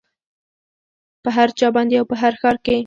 په هر چا باندې او په هر ښار کې